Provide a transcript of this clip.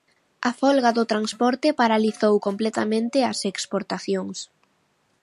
A folga do transporte paralizou completamente as exportacións.